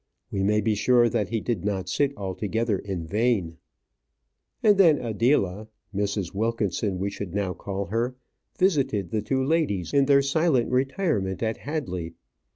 We may be sure that he did not sit altogether in vain. And then Adela Mrs. Wilkinson we should now call her visited the two ladies in their silent retirement at Hadley.